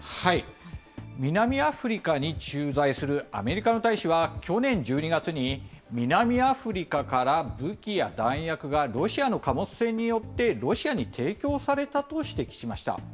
南アフリカに駐在するアメリカの大使は去年１２月に、南アフリカから武器や弾薬がロシアの貨物船によって、ロシアに提供されたと指摘しました。